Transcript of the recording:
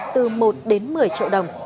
từ một đến một mươi triệu đồng